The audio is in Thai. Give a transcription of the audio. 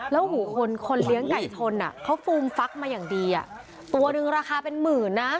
แล้วหูคนคนเลี้ยงไก่ชนเขาฟูมฟักมาอย่างดีอ่ะตัวหนึ่งราคาเป็นหมื่นนะ